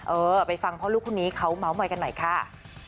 เออไปฟังพ่อลูกคนนี้เขาเมาส์มอยกันหน่อยค่ะ